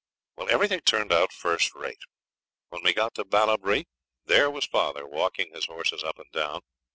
Well, everything turned out first rate. When we got to Ballabri there was father walking his horses up and down.